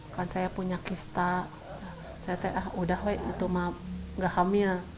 kan saya punya kista saya kan udah weh itu mah gak hamil